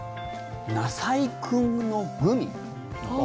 なさいくんのグミ？